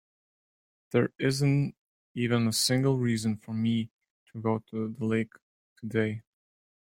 There isn't even a single reason for me to go to the lake today.